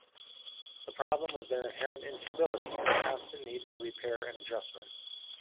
The problem was their inherent instability, and constant need for repair and adjustment.